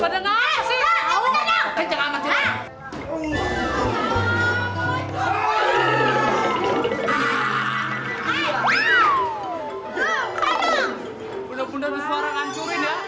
hai peta suaranya nih kenceng gro timing ayo kita